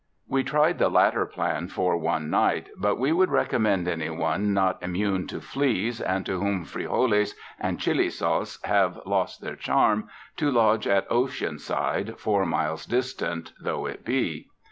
We tried the latter plan for one niftlit, but we would recommend anyone not immune to fleas and to whom frijoles and chili sauce have lost their charm, to lodge at Oceanside, four miles dis tant though it be.